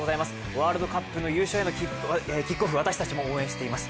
ワールドカップの優勝へのキックオフ私たちも応援しています。